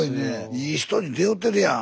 いい人に出会うてるやん。